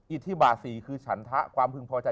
อิทธิบา๔คือฉันทะความพึงพอใจ